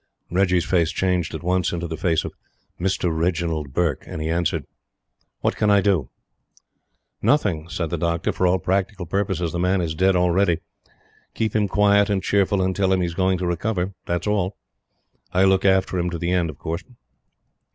Reggie's face changed at once into the face of "Mr. Reginald Burke," and he answered: "What can I do?" "Nothing," said the doctor. "For all practical purposes the man is dead already. Keep him quiet and cheerful and tell him he's going to recover. That's all. I'll look after him to the end, of course."